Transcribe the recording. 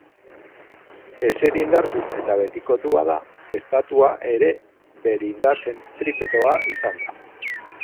Ezer indartu eta betikotu bada, estatua eta bere indar zentripetoa izan da.